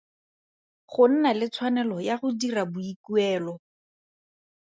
Go nna le tshwanelo ya go dira boikuelo.